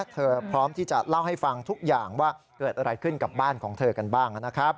พร้อมที่จะเล่าให้ฟังทุกอย่างว่าเกิดอะไรขึ้นกับบ้านของเธอกันบ้างนะครับ